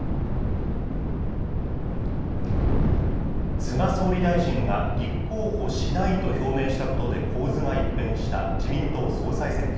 菅総理大臣が立候補しないと表明したことで構図が一変した自民党総裁選挙。